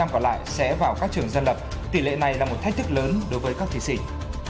năm còn lại sẽ vào các trường dân lập tỷ lệ này là một thách thức lớn đối với các thí sinh